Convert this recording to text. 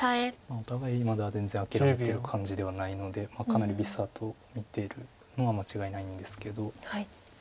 お互いまだ全然諦めてる感じではないのでかなり微差と見てるのは間違いないんですけど。